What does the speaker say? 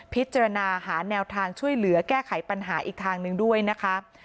พิจารณาหาแนวทางช่วยเหลือแก้ไขปัญหาอีกทางหนึ่งด้วยนะคะ